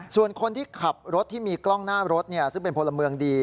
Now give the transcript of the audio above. ส่วนคนที่ขับรถที่มีกล้องหน้ารถซึ่งเป็นพลเมืองดี